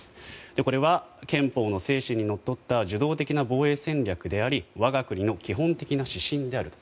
これは憲法の精神にのっとった受動的な防衛戦略であり我が国の基本的な指針であると。